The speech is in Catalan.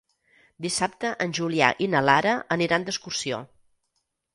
Dissabte en Julià i na Lara aniran d'excursió.